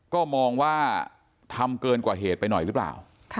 ก็มองว่าทำเกินกว่าเหตุไปหน่อยหรือเปล่า